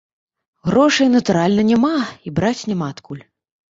Грошай, натуральна, няма, і браць няма адкуль.